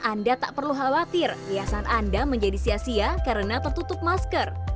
anda tak perlu khawatir yayasan anda menjadi sia sia karena tertutup masker